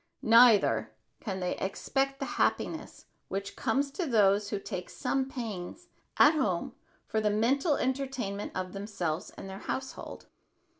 Neither can they expect the happiness which comes to those who take some pains at home for the mental entertainment of themselves and their household.